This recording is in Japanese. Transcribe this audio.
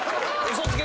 嘘つけ！